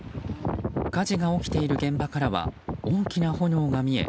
火事が起きている現場からは大きな炎が見え